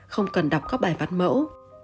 không cần đọc các bài văn mẫu